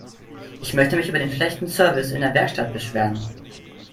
Ich möchte mich über den schlechten Service in der Werkstatt beschweren.